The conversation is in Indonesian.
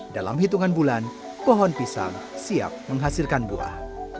dalam hitungan bulan pohon pisang siap menghasilkan buah